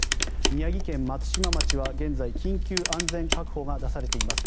宮城県松島町は現在緊急安全確保が出されています。